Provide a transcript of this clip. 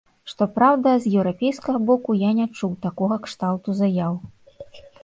Што праўда, з еўрапейскага боку я не чуў такога кшталту заяў.